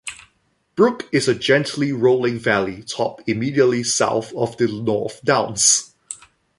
Brook is in a gently rolling valley top immediately south of the North Downs.